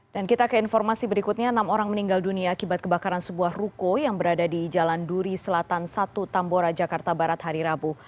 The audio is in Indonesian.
dan kita ke informasi berikutnya enam orang meninggal dunia akibat kebakaran sebuah ruko yang berada di jalan duri selatan satu tambora jakarta barat hari rabu